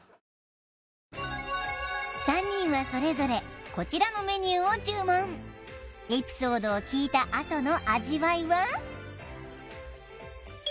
３人はそれぞれこちらのメニューを注文エピソードを聞いたあとの味わいは？